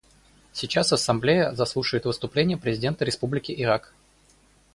Сейчас Ассамблея заслушает выступление президента Республики Ирак.